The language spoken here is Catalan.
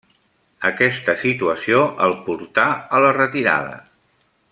Aquesta situació el portà a la retirada.